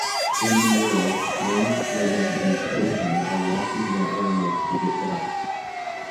In the mural, men, women and children are walking their animals to get blessed.